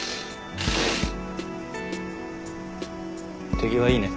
手際いいね。